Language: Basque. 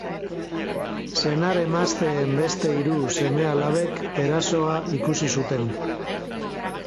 Senar-emazteen beste hiru seme-alabek erasoa ikusi zuten.